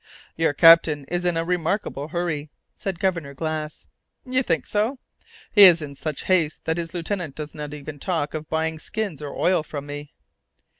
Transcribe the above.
"Your captain is in a remarkable hurry!" said Governor Glass. "You think so?" "He is in such haste that his lieutenant does not even talk of buying skins or oil from me."